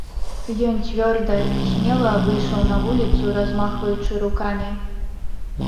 Ён цвёрда і смела выйшаў на вуліцу, размахваючы рукамі.